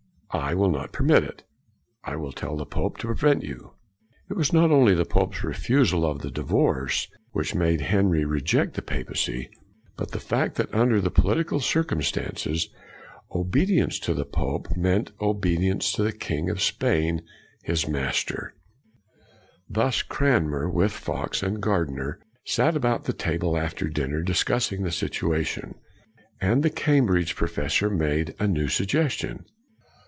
I will not permit it. I will tell the pope to prevent you.'' It was not only the pope's refusal of the divorce which made Henry reject the papacy, but the fact that, under 78 CRANMER the political circumstances, obedience to the pope meant obedience to the king of Spain, his master. Thus Cranmer and Fox and Gardiner sat about the table after dinner, discussing this situation. And the Cambridge pro fessor made a new suggestion.